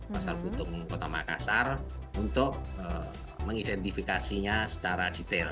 pasar butung kota makassar untuk mengidentifikasinya secara detail